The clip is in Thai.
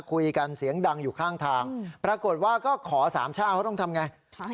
คุยกันเสียงดังอยู่ข้างทางปรากฏว่าก็ขอสามเช่าเขาต้องทำไง